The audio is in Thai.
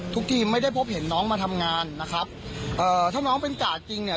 ทุกทีมไม่ได้พบเห็นน้องมาทำงานนะครับเอ่อถ้าน้องเป็นกาดจริงเนี่ย